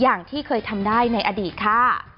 อย่างที่เคยทำได้ในอดีตค่ะ